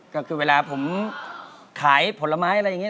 ก็คือเวลาผมขายผลไม้อะไรอย่างนี้